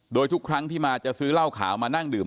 โดยทุกครั้งที่มาจะซื้อเหล้าขาวมานั่งดื่ม